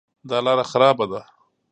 دا لاره خرابه ده